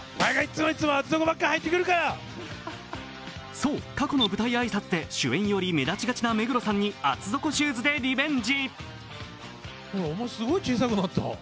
そう、過去の舞台挨拶で主演より目立ちがちな目黒さんに厚底シューズでリベンジ。